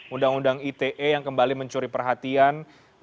undang undang ite yang kembali mencuri perhatian